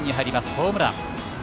ホームラン。